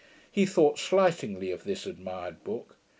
He thought slightingly of this admired book.